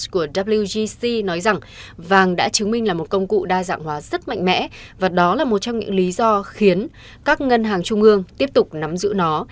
của wgc nói rằng vàng đã chứng minh là một công cụ đa dạng hóa rất mạnh mẽ và đó là một trong những lý do khiến các ngân hàng trung ương tiếp tục nắm giữ nó